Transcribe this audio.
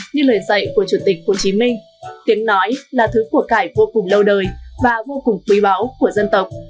như lời dạy của chủ tịch hồ chí minh tiếng nói là thứ của cải vô cùng lâu đời và vô cùng quý báu của dân tộc